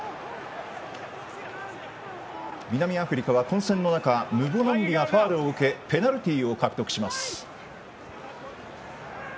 南アフリカは混戦の中ムボナンビがファウルを受けペナルティーを獲得します。